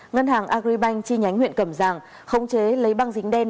ngân hàng agribank chi nhánh huyện cầm giang không chế lấy băng dính đen